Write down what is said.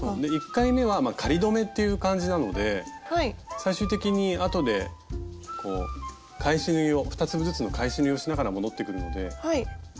１回めは仮留めっていう感じなので最終的にあとでこう返し縫いを２粒ずつの返し縫いをしながら戻ってくるのでそんなに気にせずに。